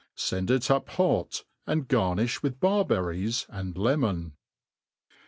Send it up hot, and garziifli with barberries and lemon.